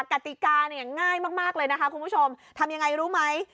กติกาเนี่ยง่ายมากเลยนะคะคุณผู้ชมทำยังไงรู้ไหม